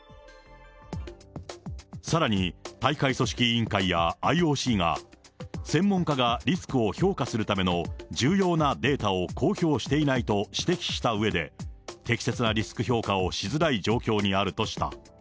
さらに、大会組織委員会やＩＯＣが、専門家がリスクを評価するための重要なデータを公表していないと指摘したうえで、適切なリスク評価をしづらい状況にあるとした。